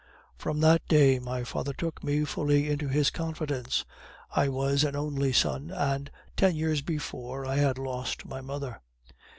"From that day my father took me fully into confidence. I was an only son; and ten years before, I had lost my mother.